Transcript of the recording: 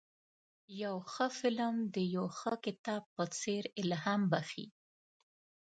یو ښه فلم د یو ښه کتاب په څېر الهام بخښي.